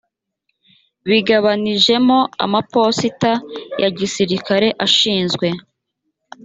bigabanijemo amaposita ya gisirikare ashinzwe